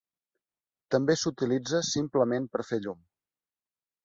També s'utilitza simplement per fer llum.